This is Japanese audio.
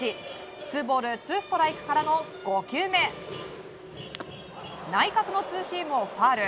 ツーボールツーストライクからの５球目内角のツーシームをファウル。